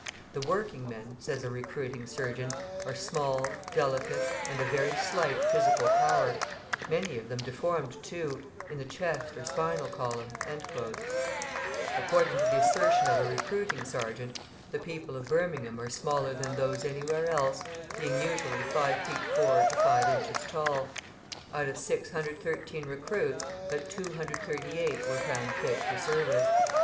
"The working men," says a recruiting surgeon, "are small, delicate, and of very slight physical power; many of them deformed, too, in the chest or spinal column." According to the assertion of a recruiting sergeant, the people of Birmingham are smaller than those anywhere else, being usually 5 feet 4 to 5 inches tall; out of 613 recruits, but 238 were found fit for service.